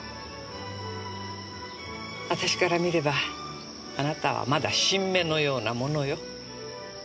私から見ればあなたはまだ新芽のようなものよ。